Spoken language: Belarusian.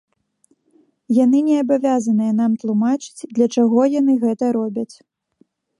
Яны не абавязаныя нам тлумачыць, для чаго яны гэта робяць.